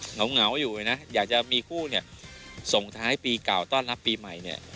เหงาอยู่เลยนะอยากจะมีคู่เนี่ยส่งท้ายปีเก่าต้อนรับปีใหม่เนี่ย